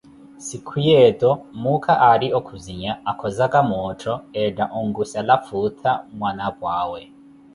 Sikhu yeeto, muukha mmote aari okhuzinya, akhozaka moottho etta onkwisela futha mwanapwa awe.